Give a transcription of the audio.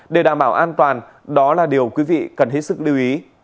để đảm bảo an toàn đó là điều quý vị cần hết sức lưu ý